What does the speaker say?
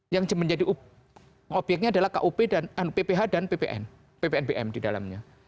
yang menjadi objeknya adalah kup dan pph dan ppn ppn pm di dalamnya